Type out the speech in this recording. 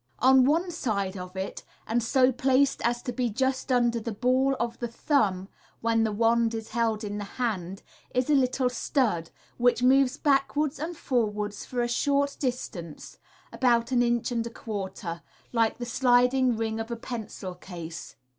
On one side of it, and so placed as to be just under the ball of the thumb when the wand is held in the hand, is a little stud, which moves backwards and forwards for a short distance (about an inch and a quarter), like the sliding ring of a pencil cnse.